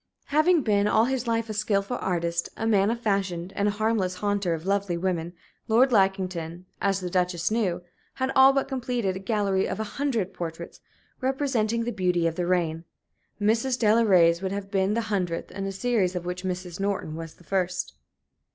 Having been all his life a skilful artist, a man of fashion, and a harmless haunter of lovely women, Lord Lackington, as the Duchess knew, had all but completed a gallery of a hundred portraits, representing the beauty of the reign. Mrs. Delaray's would have been the hundredth in a series of which Mrs. Norton was the first.